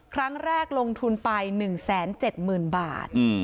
ครั้งแรกลงทุนไปหนึ่งแสนเจ็ดหมื่นบาท